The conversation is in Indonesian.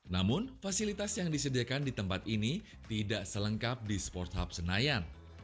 namun fasilitas yang disediakan di tempat ini tidak selengkap di sport hub senayan